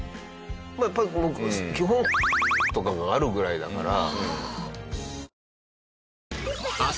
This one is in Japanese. まあやっぱり基本とかがあるぐらいだから。